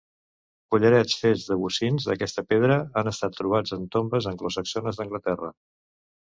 Collarets fets de bocins d'aquesta pedra han estat trobats en tombes anglosaxones d'Anglaterra.